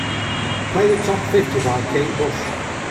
Play the top fifty by Kate Bush.